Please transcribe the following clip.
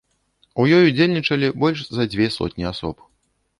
У ёй удзельнічалі больш за дзве сотні асоб.